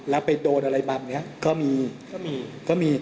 แล้วไปโดนอะไรบ้างก็มี